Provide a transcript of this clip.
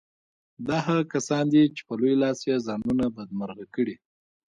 دا هغه کسان دي چې په لوی لاس یې ځانونه بدمرغه کړي